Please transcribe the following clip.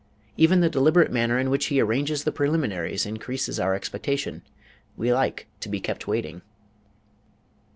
Even the deliberate manner in which he arranges the preliminaries increases our expectation we like to be kept waiting.